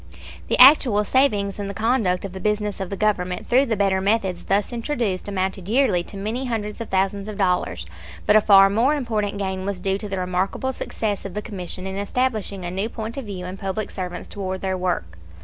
The actual saving in the conduct of the business of the Government through the better methods thus introduced amounted yearly to many hundreds of thousands of dollars; but a far more important gain was due to the remarkable success of the Commission in establishing a new point of view in public servants toward their work.